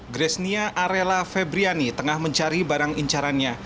gresnia arela febriani tengah mencari barang incarannya